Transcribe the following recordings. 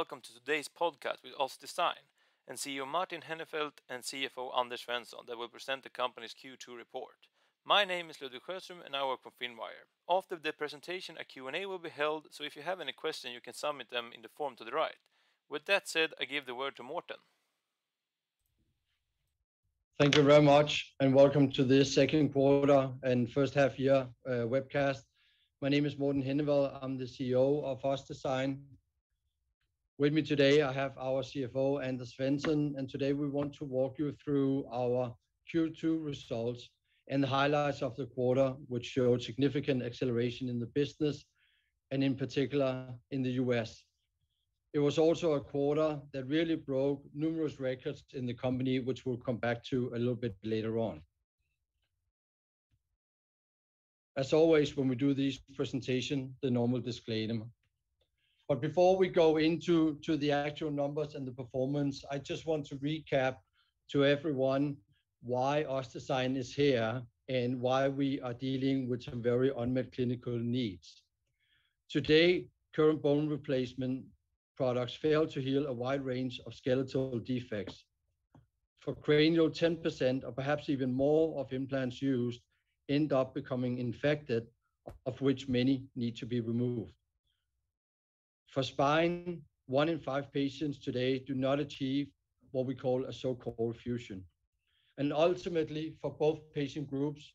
Hello and welcome to today's podcast with OssDsign, and CEO Morten Henneveld and CFO Anders Svensson that will present the company's Q2 report. My name is Ludwig Sjöström and I work for Finwire. After the presentation, a Q&A will be held, so if you have any questions, you can submit them in the form to the right. With that said, I give the word to Morten. Thank you very much and welcome to this second quarter and first half year webcast. My name is Morten Henneveld, I'm the CEO of OssDsign. With me today, I have our CFO, Anders Svensson, and today we want to walk you through our Q2 results and the highlights of the quarter, which showed significant acceleration in the business and in particular in the U.S. It was also a quarter that really broke numerous records in the company, which we'll come back to a little bit later on. As always, when we do these presentations, the normal disclaimer. But before we go into the actual numbers and the performance, I just want to recap to everyone why OssDsign is here and why we are dealing with some very unmet clinical needs. Today, current bone replacement products fail to heal a wide range of skeletal defects. For cranial, 10% or perhaps even more of implants used end up becoming infected, of which many need to be removed. For spine, one in five patients today do not achieve what we call a so-called fusion. Ultimately, for both patient groups,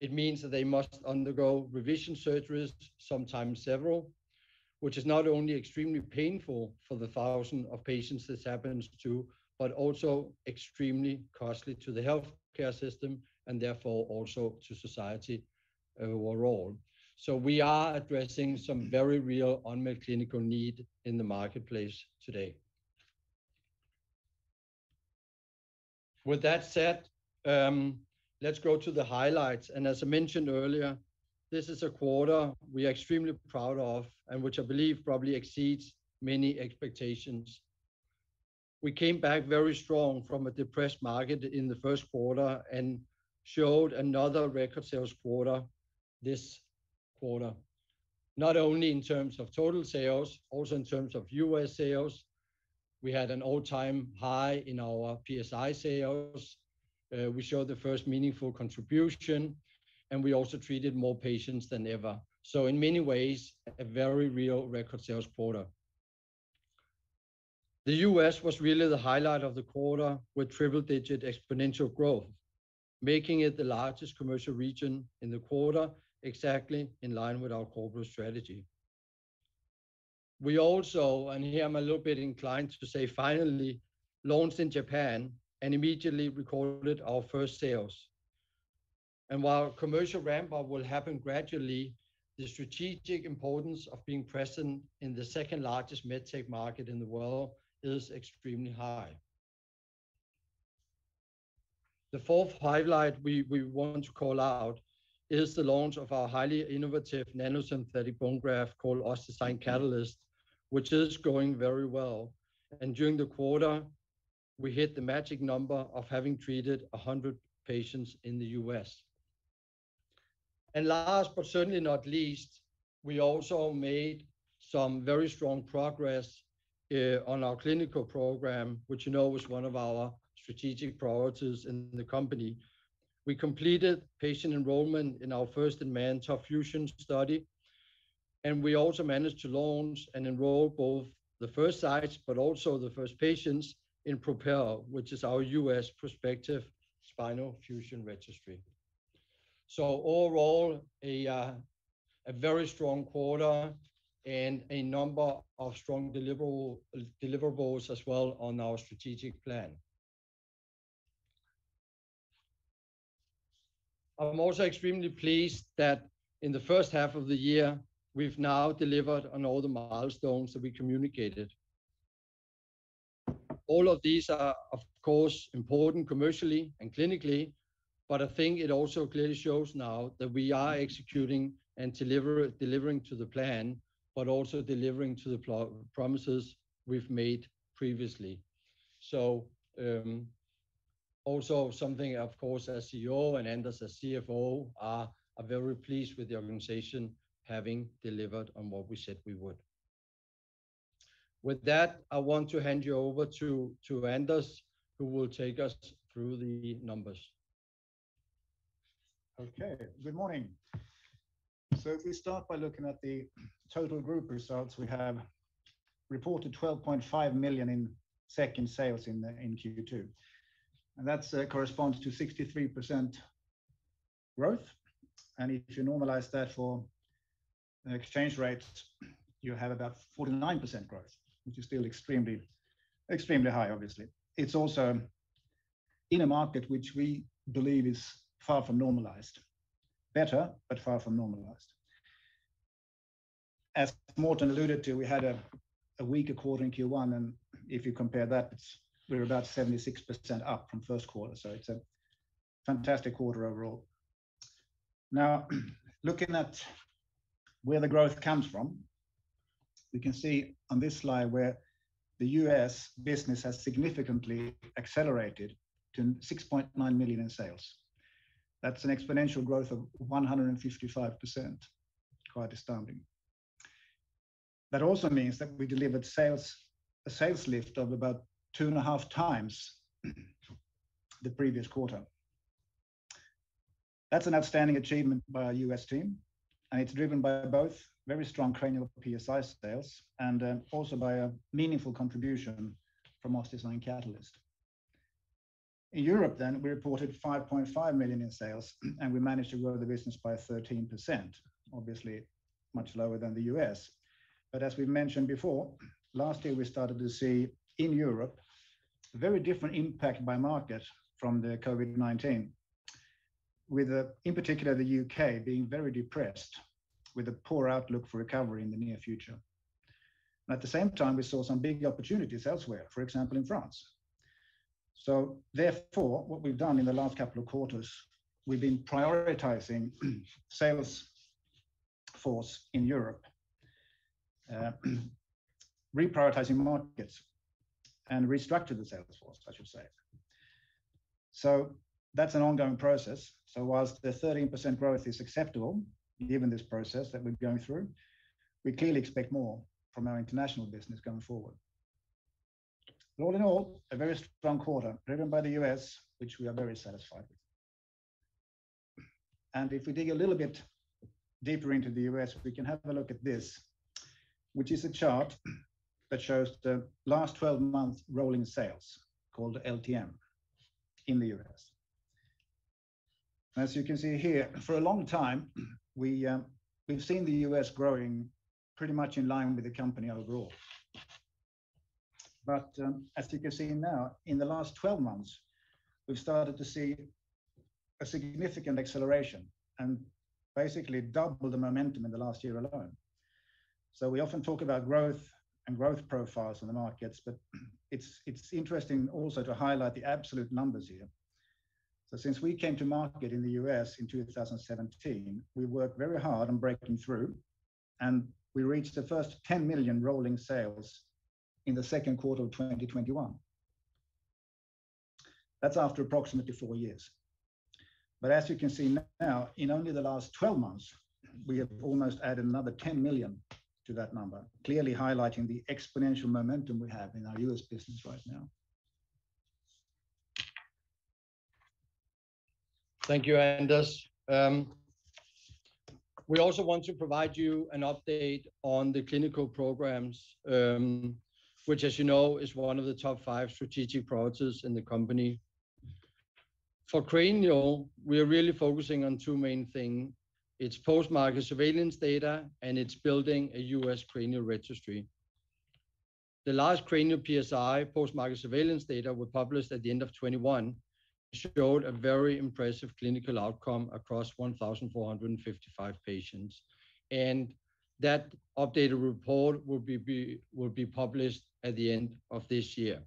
it means that they must undergo revision surgeries, sometimes several, which is not only extremely painful for the thousands of patients this happens to, but also extremely costly to the healthcare system and therefore also to society overall. We are addressing some very real unmet clinical need in the marketplace today. With that said, let's go to the highlights. As I mentioned earlier, this is a quarter we are extremely proud of and which I believe probably exceeds many expectations. We came back very strong from a depressed market in the first quarter and showed another record sales quarter this quarter, not only in terms of total sales, also in terms of U.S. sales. We had an all-time high in our PSI sales. We showed the first meaningful contribution, and we also treated more patients than ever. So in many ways, a very real record sales quarter. The U.S. was really the highlight of the quarter with triple-digit exponential growth, making it the largest commercial region in the quarter, exactly in line with our corporate strategy. We also, and here I'm a little bit inclined to say finally, launched in Japan and immediately recorded our first sales. And while commercial ramp-up will happen gradually, the strategic importance of being present in the second largest medtech market in the world is extremely high. The fourth highlight we want to call out is the launch of our highly innovative nanosynthetic bone graft called OssDsign Catalyst, which is going very well, and during the quarter, we hit the magic number of having treated 100 patients in the U.S., and last but certainly not least, we also made some very strong progress on our clinical program, which you know was one of our strategic priorities in the company. We completed patient enrollment in our first-in-man TOP FUSION study, and we also managed to launch and enroll both the first sites, but also the first patients in PROPEL, which is our U.S. prospective spinal fusion registry, so overall, a very strong quarter and a number of strong deliverables as well on our strategic plan. I'm also extremely pleased that in the first half of the year, we've now delivered on all the milestones that we communicated. All of these are, of course, important commercially and clinically, but I think it also clearly shows now that we are executing and delivering to the plan, but also delivering to the promises we've made previously. So also something, of course, as CEO and Anders as CFO, are very pleased with the organization having delivered on what we said we would. With that, I want to hand you over to Anders, who will take us through the numbers. Okay, good morning. So if we start by looking at the total group results, we have reported 12.5 million in net sales in Q2. And that corresponds to 63% growth. And if you normalize that for exchange rates, you have about 49% growth, which is still extremely, extremely high, obviously. It's also in a market which we believe is far from normalized, better, but far from normalized. As Morten alluded to, we had a weaker quarter in Q1, and if you compare that, we're about 76% up from first quarter. So it's a fantastic quarter overall. Now, looking at where the growth comes from, we can see on this slide where the U.S. business has significantly accelerated to 6.9 million in sales. That's an exponential growth of 155%, quite astounding. That also means that we delivered a sales lift of about two and a half times the previous quarter. That's an outstanding achievement by our U.S. team, and it's driven by both very strong Cranial PSI sales and also by a meaningful contribution from OssDsign Catalyst. In Europe then, we reported 5.5 million in sales, and we managed to grow the business by 13%, obviously much lower than the U.S. But as we mentioned before, last year we started to see in Europe a very different impact by market from the COVID-19, with in particular the U.K. being very depressed with a poor outlook for recovery in the near future. At the same time, we saw some big opportunities elsewhere, for example, in France. So therefore, what we've done in the last couple of quarters, we've been prioritizing sales force in Europe, reprioritizing markets, and restructured the sales force, I should say. So that's an ongoing process. So while the 13% growth is acceptable given this process that we're going through, we clearly expect more from our international business going forward. All in all, a very strong quarter driven by the U.S., which we are very satisfied with. And if we dig a little bit deeper into the U.S., we can have a look at this, which is a chart that shows the last 12-month rolling sales called LTM in the U.S. As you can see here, for a long time, we've seen the U.S. growing pretty much in line with the company overall. But as you can see now, in the last 12 months, we've started to see a significant acceleration and basically double the momentum in the last year alone. So we often talk about growth and growth profiles in the markets, but it's interesting also to highlight the absolute numbers here. So since we came to market in the U.S. in 2017, we worked very hard on breaking through, and we reached the first 10 million rolling sales in the second quarter of 2021. That's after approximately four years. But as you can see now, in only the last 12 months, we have almost added another 10 million to that number, clearly highlighting the exponential momentum we have in our U.S. business right now. Thank you, Anders. We also want to provide you an update on the clinical programs, which, as you know, is one of the top five strategic priorities in the company. For cranial, we are really focusing on two main things. It's post-market surveillance data, and it's building a U.S. cranial registry. The last Cranial PSI post-market surveillance data we published at the end of 2021 showed a very impressive clinical outcome across 1,455 patients. And that updated report will be published at the end of this year.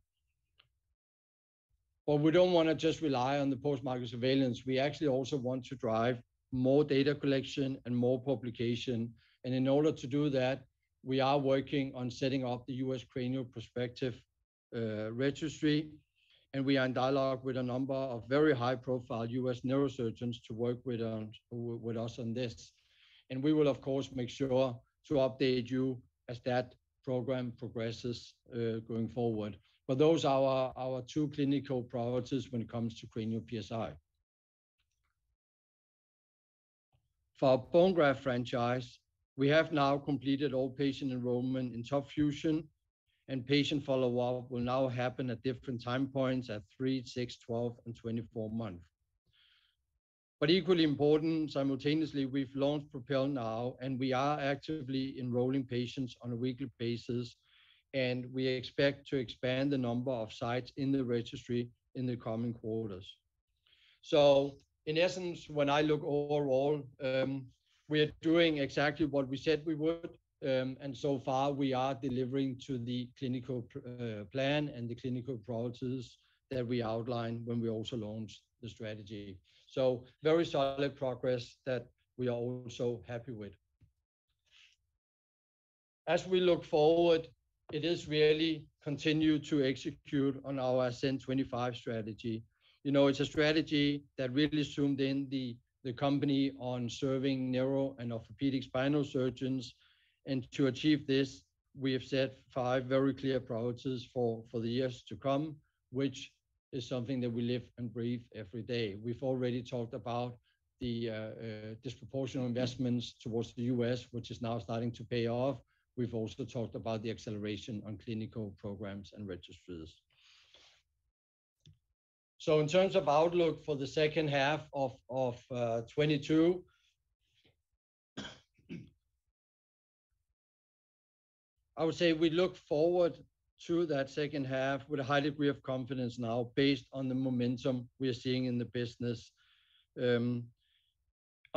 But we don't want to just rely on the post-market surveillance. We actually also want to drive more data collection and more publication. And in order to do that, we are working on setting up the U.S. cranial prospective registry. And we are in dialogue with a number of very high-profile U.S. neurosurgeons to work with us on this. We will, of course, make sure to update you as that program progresses going forward. Those are our two clinical priorities when it comes to Cranial PSI. For our bone graft franchise, we have now completed all patient enrollment in TOP FUSION, and patient follow-up will now happen at different time points at three, six, 12, and 24 months. Equally important, simultaneously, we've launched PROPEL now, and we are actively enrolling patients on a weekly basis, and we expect to expand the number of sites in the registry in the coming quarters. In essence, when I look overall, we are doing exactly what we said we would, and so far we are delivering to the clinical plan and the clinical priorities that we outlined when we also launched the strategy. Very solid progress that we are also happy with. As we look forward, it is really continue to execute on our ASCEND strategy. You know, it's a strategy that really zoomed in the company on serving neuro and orthopedic spinal surgeons. And to achieve this, we have set five very clear priorities for the years to come, which is something that we live and breathe every day. We've already talked about the disproportionate investments towards the U.S., which is now starting to pay off. We've also talked about the acceleration on clinical programs and registries. So in terms of outlook for the second half of 2022, I would say we look forward to that second half with a high degree of confidence now based on the momentum we are seeing in the business. On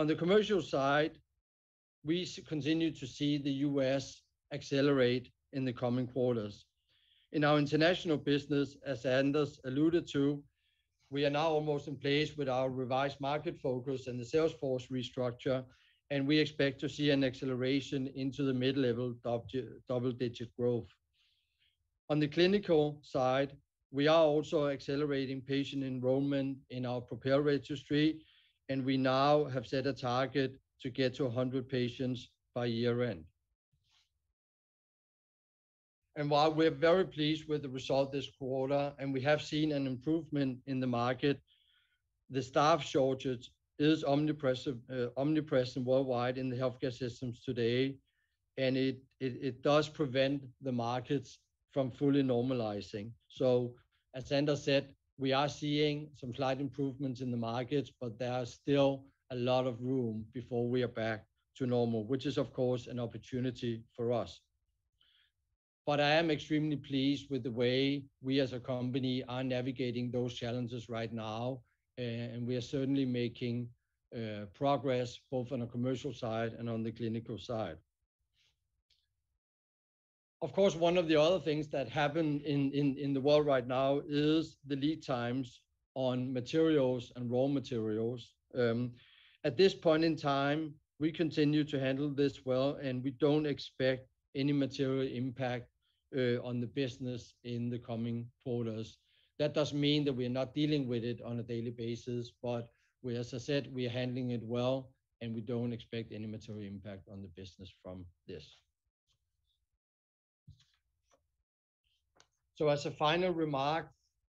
the commercial side, we continue to see the U.S. accelerate in the coming quarters. In our international business, as Anders alluded to, we are now almost in place with our revised market focus and the sales force restructure, and we expect to see an acceleration into the mid-level double-digit growth. On the clinical side, we are also accelerating patient enrollment in our PROPEL registry, and we now have set a target to get to 100 patients by year-end, and while we're very pleased with the result this quarter, and we have seen an improvement in the market, the staff shortage is omnipresent worldwide in the healthcare systems today, and it does prevent the markets from fully normalizing, so as Anders said, we are seeing some slight improvements in the markets, but there is still a lot of room before we are back to normal, which is, of course, an opportunity for us. But I am extremely pleased with the way we as a company are navigating those challenges right now, and we are certainly making progress both on a commercial side and on the clinical side. Of course, one of the other things that happen in the world right now is the lead times on materials and raw materials. At this point in time, we continue to handle this well, and we don't expect any material impact on the business in the coming quarters. That does mean that we are not dealing with it on a daily basis, but we, as I said, we are handling it well, and we don't expect any material impact on the business from this. So as a final remark,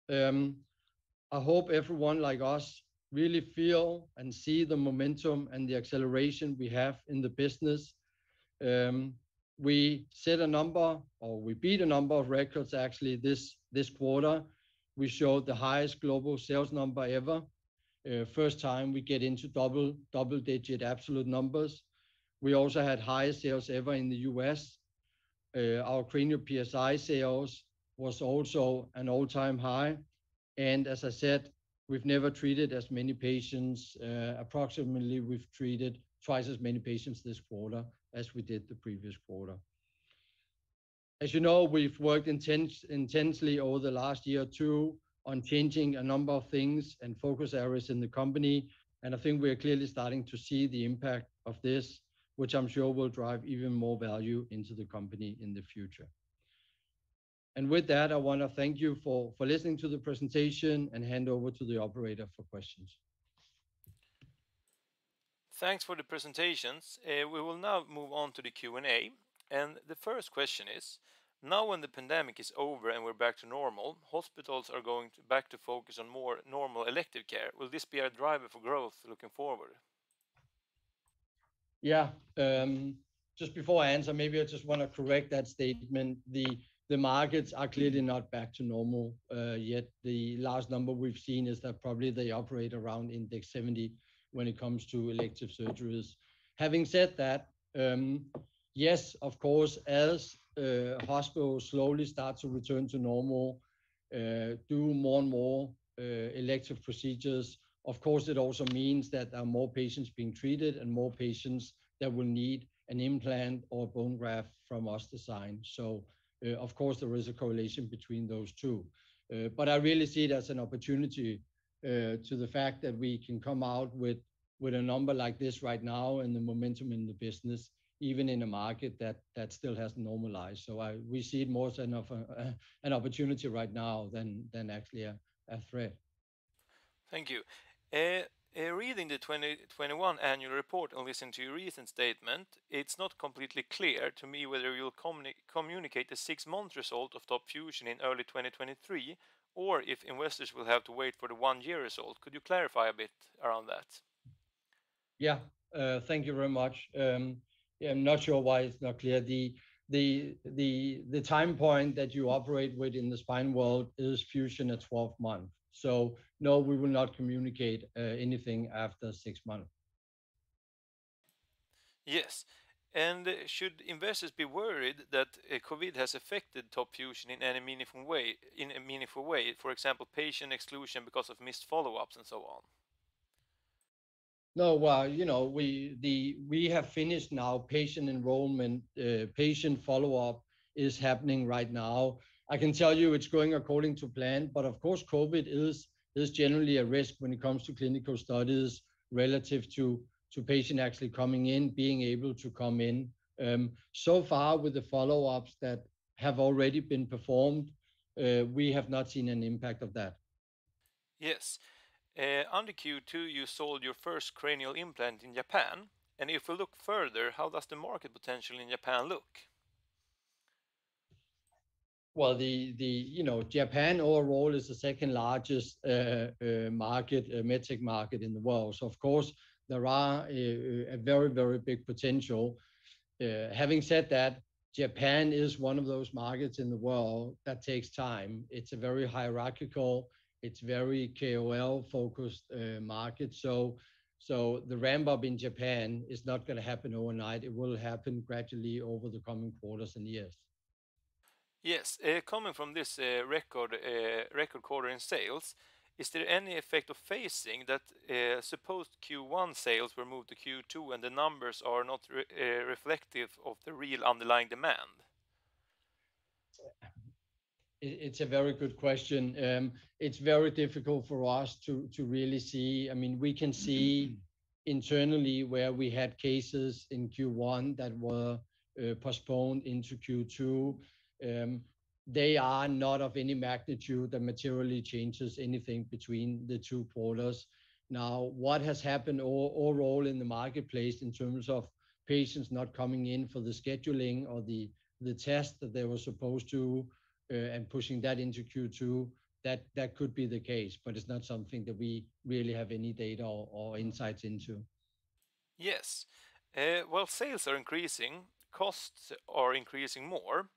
I hope everyone like us really feel and see the momentum and the acceleration we have in the business. We set a number, or we beat a number of records actually this quarter. We showed the highest global sales number ever. First time we get into double-digit absolute numbers. We also had highest sales ever in the U.S. Our cranial PSI sales was also an all-time high. And as I said, we've never treated as many patients. Approximately, we've treated twice as many patients this quarter as we did the previous quarter. As you know, we've worked intensely over the last year or two on changing a number of things and focus areas in the company. And I think we are clearly starting to see the impact of this, which I'm sure will drive even more value into the company in the future. And with that, I want to thank you for listening to the presentation and hand over to the operator for questions. Thanks for the presentations. We will now move on to the Q&A, and the first question is, now when the pandemic is over and we're back to normal, hospitals are going back to focus on more normal elective care. Will this be a driver for growth looking forward? Yeah. Just before I answer, maybe I just want to correct that statement. The markets are clearly not back to normal yet. The last number we've seen is that probably they operate around index 70 when it comes to elective surgeries. Having said that, yes, of course, as hospitals slowly start to return to normal, do more and more elective procedures, of course, it also means that there are more patients being treated and more patients that will need an implant or bone graft from us designed. So of course, there is a correlation between those two. But I really see it as an opportunity to the fact that we can come out with a number like this right now and the momentum in the business, even in a market that still hasn't normalized. So we see it more as an opportunity right now than actually a threat. Thank you. Reading the 2021 annual report and listening to your recent statement, it's not completely clear to me whether you'll communicate the six-month result of TOP FUSION in early 2023, or if investors will have to wait for the one-year result. Could you clarify a bit around that? Yeah, thank you very much. I'm not sure why it's not clear. The time point that you operate with in the spine world is fusion at 12 months. So no, we will not communicate anything after six months. Yes. And should investors be worried that COVID has affected TOP FUSION in any meaningful way, for example, patient exclusion because of missed follow-ups and so on? No, well, you know, we have finished now patient enrollment. Patient follow-up is happening right now. I can tell you it's going according to plan, but of course, COVID is generally a risk when it comes to clinical studies relative to patient actually coming in, being able to come in. So far with the follow-ups that have already been performed, we have not seen an impact of that. Yes. Under Q2, you sold your first cranial implant in Japan, and if we look further, how does the market potential in Japan look? The Japan overall is the second largest medtech market in the world. So of course, there are a very, very big potential. Having said that, Japan is one of those markets in the world that takes time. It's a very hierarchical, it's very KOL-focused market. So the ramp-up in Japan is not going to happen overnight. It will happen gradually over the coming quarters and years. Yes. Coming from this record quarter in sales, is there any effect of phasing that supposed Q1 sales were moved to Q2 and the numbers are not reflective of the real underlying demand? It's a very good question. It's very difficult for us to really see. I mean, we can see internally where we had cases in Q1 that were postponed into Q2. They are not of any magnitude that materially changes anything between the two quarters. Now, what has happened overall in the marketplace in terms of patients not coming in for the scheduling or the test that they were supposed to and pushing that into Q2, that could be the case, but it's not something that we really have any data or insights into. Yes. Well, sales are increasing, costs are increasing more.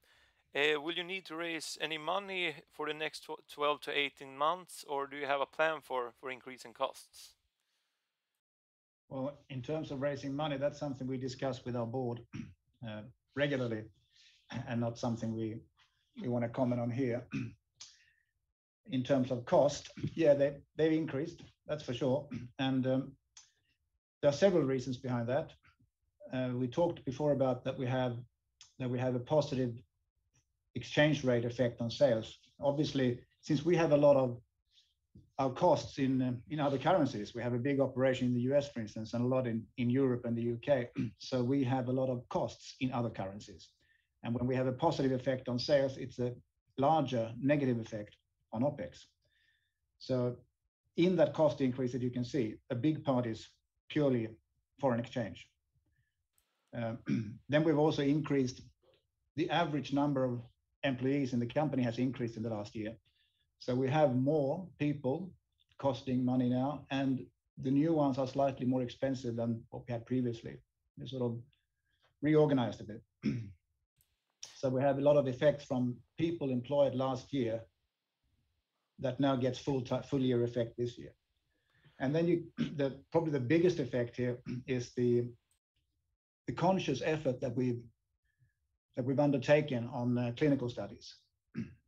Will you need to raise any money for the next 12-18 months, or do you have a plan for increasing costs? In terms of raising money, that's something we discuss with our board regularly and not something we want to comment on here. In terms of cost, yeah, they've increased, that's for sure. There are several reasons behind that. We talked before about that we have a positive exchange rate effect on sales. Obviously, since we have a lot of our costs in other currencies, we have a big operation in the U.S., for instance, and a lot in Europe and the U.K. We have a lot of costs in other currencies. When we have a positive effect on sales, it's a larger negative effect on OpEx. In that cost increase that you can see, a big part is purely foreign exchange. We've also increased the average number of employees in the company, has increased in the last year. So we have more people costing money now, and the new ones are slightly more expensive than what we had previously. They're sort of reorganized a bit. So we have a lot of effect from people employed last year that now gets full year effect this year. And then probably the biggest effect here is the conscious effort that we've undertaken on clinical studies.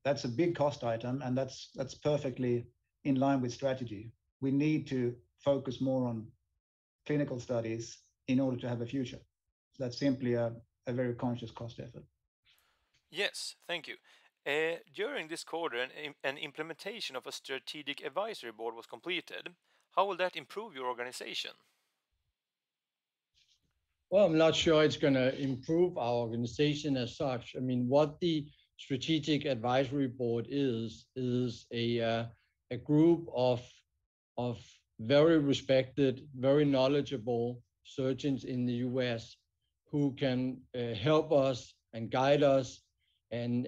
That's a big cost item, and that's perfectly in line with strategy. We need to focus more on clinical studies in order to have a future. That's simply a very conscious cost effort. Yes, thank you. During this quarter, an implementation of a strategic advisory board was completed. How will that improve your organization? I'm not sure it's going to improve our organization as such. I mean, what the strategic advisory board is, is a group of very respected, very knowledgeable surgeons in the U.S. who can help us and guide us and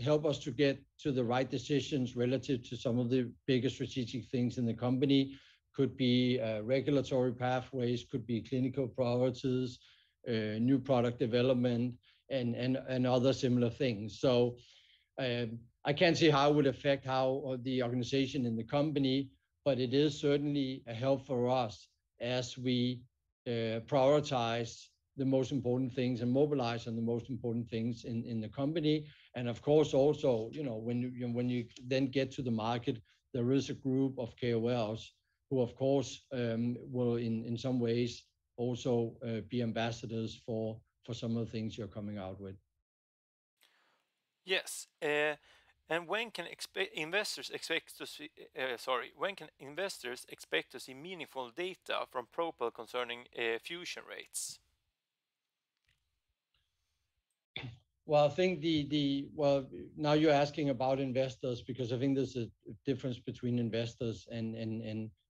help us to get to the right decisions relative to some of the biggest strategic things in the company. Could be regulatory pathways, could be clinical priorities, new product development, and other similar things, so I can't see how it would affect the organization in the company, but it is certainly a help for us as we prioritize the most important things and mobilize on the most important things in the company, and of course, also when you then get to the market, there is a group of KOLs who, of course, will in some ways also be ambassadors for some of the things you're coming out with. Yes, and when can investors expect to see meaningful data from PROPEL concerning fusion rates? I think now you're asking about investors because I think there's a difference between investors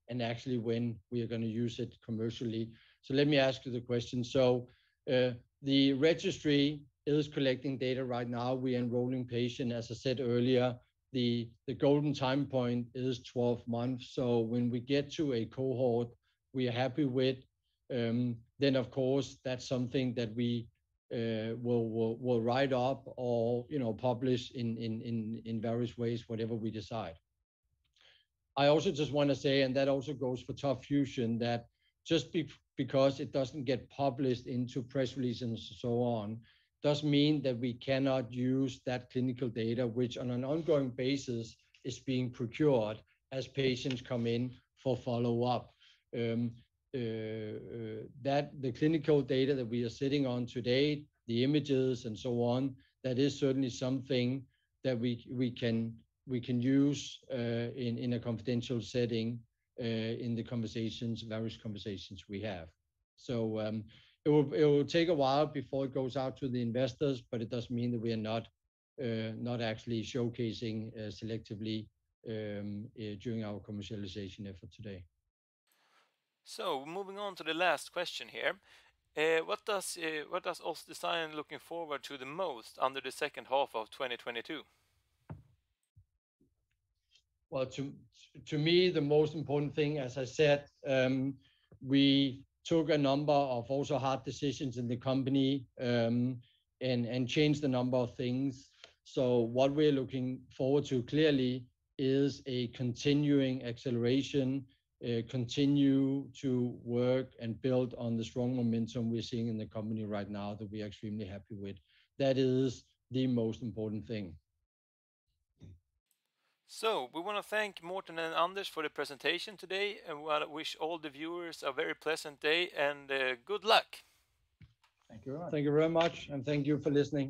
and actually when we are going to use it commercially. So let me ask you the question. So the registry is collecting data right now. We are enrolling patients, as I said earlier. The golden time point is 12 months. So when we get to a cohort we are happy with, then of course, that's something that we will write up or publish in various ways, whatever we decide. I also just want to say, and that also goes for TOP FUSION, that just because it doesn't get published into press releases and so on, does not mean that we cannot use that clinical data, which on an ongoing basis is being procured as patients come in for follow-up. The clinical data that we are sitting on today, the images and so on, that is certainly something that we can use in a confidential setting in the various conversations we have. So it will take a while before it goes out to the investors, but it does mean that we are not actually showcasing selectively during our commercialization effort today. Moving on to the last question here. What does OssDsign looking forward to the most under the second half of 2022? To me, the most important thing, as I said, we took a number of also hard decisions in the company and changed a number of things. So what we're looking forward to clearly is a continuing acceleration, continue to work and build on the strong momentum we're seeing in the company right now that we are extremely happy with. That is the most important thing. So we want to thank Morten and Anders for the presentation today. I wish all the viewers a very pleasant day and good luck. Thank you very much. Thank you very much. And thank you for listening.